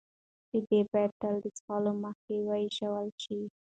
شیدې باید تل د څښلو مخکې ویشول شي.